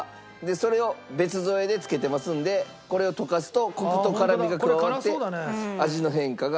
それを別添えでつけてますんでこれを溶かすとコクと辛みが加わって味の変化が。